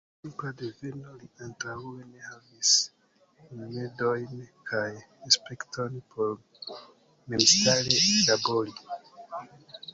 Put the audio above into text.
Pro li simpla deveno li antaŭe ne havis rimedojn kaj respekton por memstare labori.